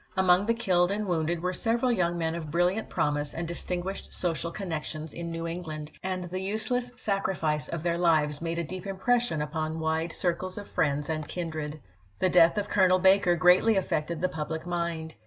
Among the killed and wounded were several young men of brilliant promise and dis tinguished social connections in New England, and the useless sacrifice of their lives made a deep impression upon wide circles of friends and kindred. The death of Colonel Baker greatly affected the public mind.